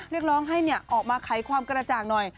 เรียกร้องให้ออกมาไขความกระจ่างหน่อย